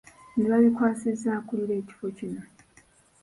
Biino babikwasizza akulira ekifo kino.